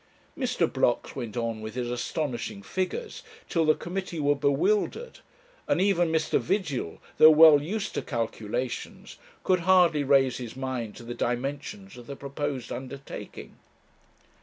Mr. Blocks went on with his astonishing figures till the committee were bewildered, and even Mr. Vigil, though well used to calculations, could hardly raise his mind to the dimensions of the proposed undertaking.